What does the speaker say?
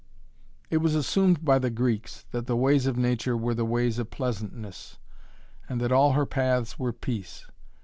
It was assumed by the Greeks that the ways of nature were 'the ways of pleasantness,' and that 'all her paths' were 'peace.'